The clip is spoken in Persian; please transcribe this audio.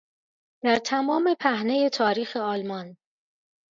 در تمام پهنهی تاریخ آلمان